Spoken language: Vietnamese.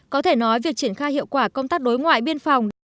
có thể nói việc triển khai hiệu quả công tác đối ngoại biên phòng